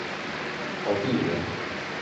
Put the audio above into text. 陶弼人。